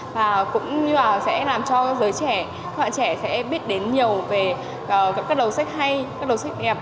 và cũng như là sẽ làm cho giới trẻ các bạn trẻ sẽ biết đến nhiều về các đầu sách hay các đầu sách đẹp